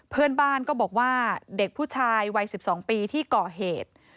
เพื่อนบ้านก็บอกว่าเด็กผู้ชายวัย๑๒ปีที่ก่อเหตุ